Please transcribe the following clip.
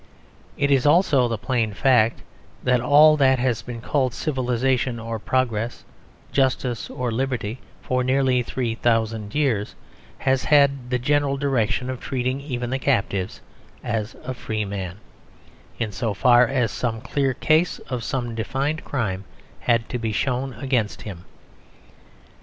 It is also the plain fact that all that has been called civilisation or progress, justice or liberty, for nearly three thousand years, has had the general direction of treating even the captive as a free man, in so far as some clear case of some defined crime had to be shown against him.